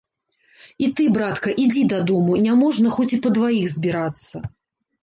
І ты, братка, ідзі дадому, няможна хоць і па дваіх збірацца.